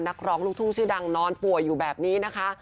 นักร้องลูกทุ่งชื่อดังนอนป่วยอยู่แบบนี้นะคะ